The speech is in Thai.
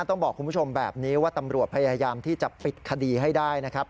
ต้องบอกคุณผู้ชมแบบนี้ว่าตำรวจพยายามที่จะปิดคดีให้ได้นะครับ